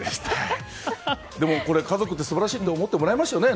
家族って素晴らしいと思ってもらえました？